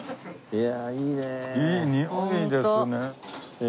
いやいいねえ。